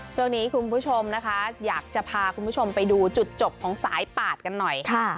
ช่วงนี้คุณผู้ชมนะคะอยากจะพาคุณผู้ชมไปดูจุดจบของสายปาดกันหน่อยค่ะ